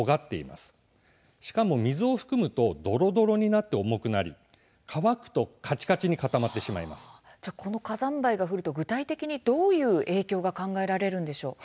しかも水を含むとどろどろになって重くなり乾くとこの火山灰が降ると具体的にどんな影響が考えられるんでしょうか。